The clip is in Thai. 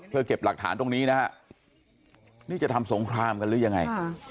เพื่อเก็บหลักฐานตรงนี้นะฮะนี่จะทำสงครามกันหรือยังไง